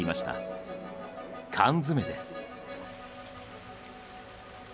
缶詰です。